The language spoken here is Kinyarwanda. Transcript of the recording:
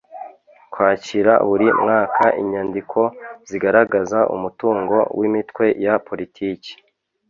kwakira buri mwaka inyandiko zigaragaza umutungo w’imitwe ya politiki